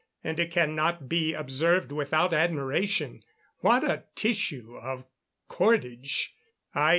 And it cannot be observed without admiration, what a tissue of cordage, _i.